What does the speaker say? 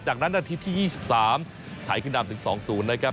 จากนั้นอาทิตย์ที่๒๓ไทยขึ้นนำถึง๒๐นะครับ